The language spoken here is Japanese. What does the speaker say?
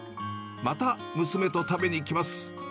また娘と食べに来ます。